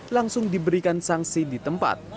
langsung diberikan sanksi di tempat